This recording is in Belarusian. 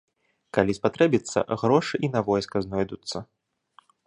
Калі спатрэбіцца, грошы і на войска знойдуцца.